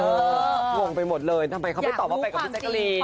งงไปหมดเลยทำไมเขาไม่ตอบว่าไปกับพี่แจ๊กกะรีน